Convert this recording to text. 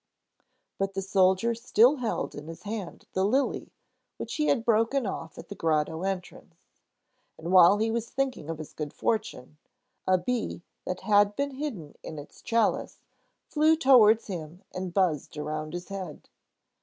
But the soldier still held in his hand the lily which he had broken off at the grotto entrance; and while he was thinking of his good fortune, a bee that had been hidden in its chalice flew towards him and buzzed around his head.